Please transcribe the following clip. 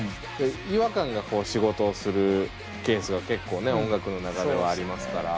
違和感がこう仕事をするケースが結構ね音楽の中ではありますから。